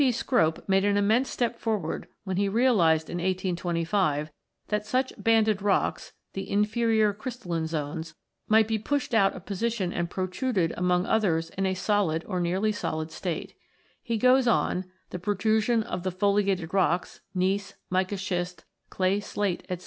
P. Scropedo*) made an immense step forward when he realised in 1825 that such banded rocks, " the inferior crystalline zones,'' might be pushed out of position and "protruded " among others "in a solid or nearly solid stated He goes on, " The protrusion of the foliated rocks, gneiss, mica schist, clay slate, etc.